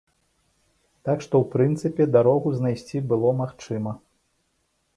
Так што ў прынцыпе дарогу знайсці было магчыма.